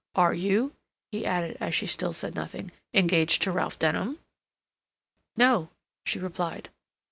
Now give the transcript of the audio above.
Are you," he added, as she still said nothing, "engaged to Ralph Denham?" "No," she replied.